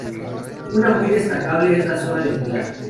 Una muy destacable es la zona del Pilar.